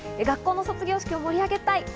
学校の卒業式を盛り上げたい。